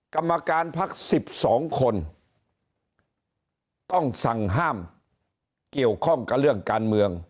กรรมการพัก๑๒คนต้องสั่งห้ามเกี่ยวข้องกับเรื่องการเมือง